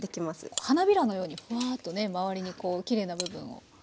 花びらのようにふわっとね周りにきれいな部分を。